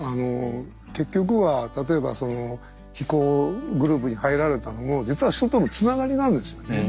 結局は例えば非行グループに入られたのも実は人とのつながりなんですよね。